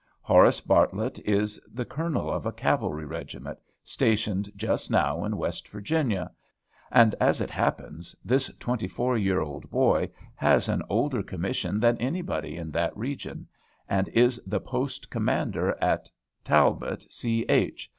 Horace Bartlett is the colonel of a cavalry regiment, stationed just now in West Virginia; and, as it happens, this twenty four year old boy has an older commission than anybody in that region, and is the Post Commander at Talbot C. H.